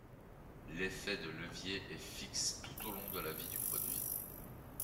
L’effet de levier est fixe tout au long de la vie du produit.